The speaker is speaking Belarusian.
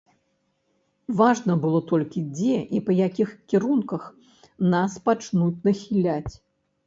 Важна было толькі, дзе і па якіх кірунках нас пачнуць нахіляць.